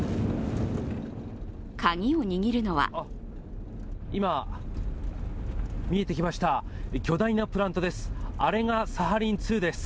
カギを握るのは今、見えてきました、巨大なプラントです。